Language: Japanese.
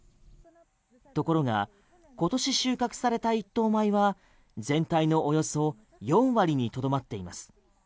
ところが今年収穫された一等米は全体のおよそ４割にとどまっています。